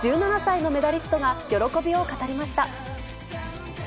１７歳のメダリストが喜びを語りました。